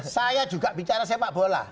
saya juga bicara sepak bola